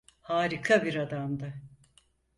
Harika bir adamdı.